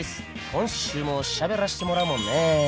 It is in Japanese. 今週もしゃべらしてもらうもんね。